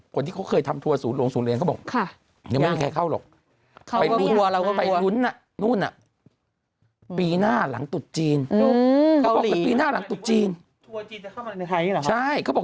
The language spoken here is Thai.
คนที่เขาเคยทำทัวร์ศูนย์โรงศูนย์เรียนเขาบอก